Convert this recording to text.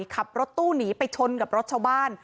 ขับรถตู้หนีไปชนกับรถชาวบ้าน